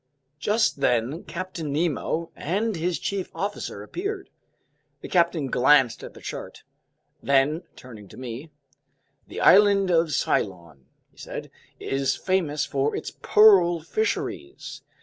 Just then Captain Nemo and his chief officer appeared. The captain glanced at the chart. Then, turning to me: "The island of Ceylon," he said, "is famous for its pearl fisheries.